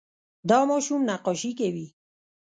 دا ماشوم نقاشي کوي.